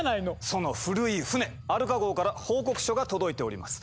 その古い船アルカ号から報告書が届いております。